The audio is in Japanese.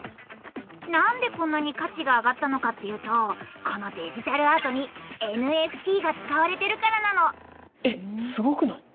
何でこんなに価値が上がったのかっていうとこのデジタルアートにＮＦＴが使われてるからなの！